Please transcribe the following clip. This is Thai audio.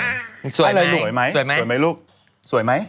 สวยไหมสวยไหมลูกสวยไหม